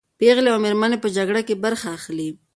پېغلې او مېرمنې په جګړه کې برخه اخلي.